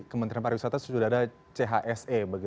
kementerian pariwisata sudah ada chse